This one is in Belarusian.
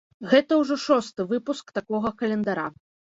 Гэта ўжо шосты выпуск такога календара.